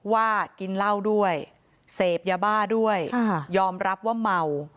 ว่ากินเหล้าด้วยเสพยาบ้าด้วยยอมรับว่าเมา